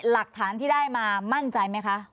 หลักฐานที่ได้มามั่นใจไหมคะ